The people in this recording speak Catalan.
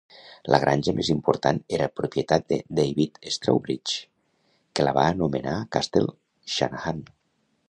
La granja més important era propietat de David Strawbridge, que la va anomenar Castle Shanahan.